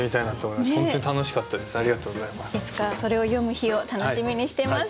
いつかそれを読む日を楽しみにしてます。